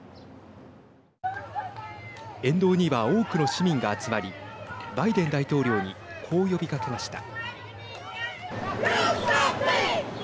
沿道には、多くの市民が集まりバイデン大統領にこう呼びかけました。